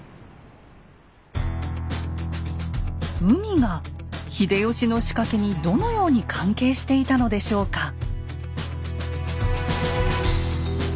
海が秀吉の仕掛けにどのように関係していたのでしょうか。